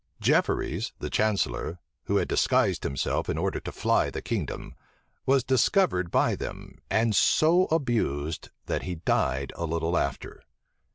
Jefferies, the chancellor, who had disguised himself in order to fly the kingdom, was discovered by them, and so abused, that he died a little after.